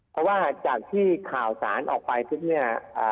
เพราะว่าจากที่ข่าวสารออกไปปุ๊บเนี่ย